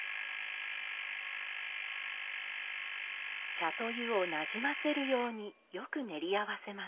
茶と湯をなじませるようによく練り合わせます。